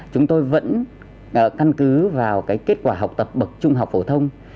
chúng tôi vẫn căn cứ vào kết quả học tập bậc trung học phổ thông